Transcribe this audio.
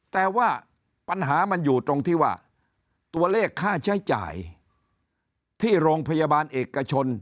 แต่ว่าปัญหามันอยู่ตรงที่ว่าตัวเลขค่าใช้จ่ายที่โรงพยาบาลเอกชน